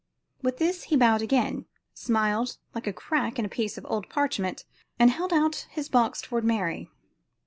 With this he bowed again, smiled like a crack in a piece of old parchment, and held his box toward Mary.